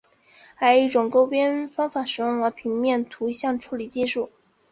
还有一种勾边方法使用了平面图像处理技术。